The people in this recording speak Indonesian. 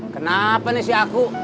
kenapa nih si aku